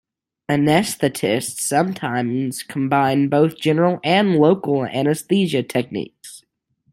Anesthetists sometimes combine both general and local anesthesia techniques.